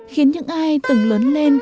khiến những ai từng lớn lên